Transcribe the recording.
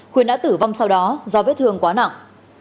khuyên đã tử vong sau đó do vết thương quá nặng